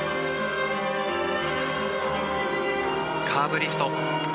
カーブリフト。